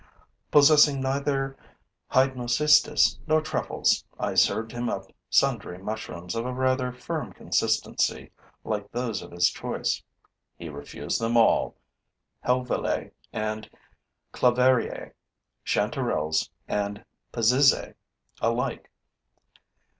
Possessing neither hydnocistes nor truffles, I served him up sundry mushrooms of a rather firm consistency, like those of his choice. He refused them all, helvellae and clavariae, chanterelles and pezizae alike.